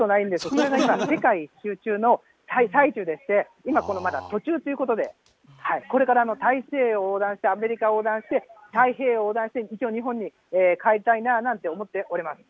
それが今、世界一周中の最中でして、今、そのまだ途中ということで、これから大西洋横断して、アメリカを横断して、太平洋を横断して、一応日本に帰りたいなぁなんて思っております。